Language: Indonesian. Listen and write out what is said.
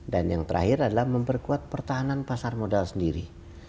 dan yang terakhir adalah memperkuat pertahanan pasar modal sendiri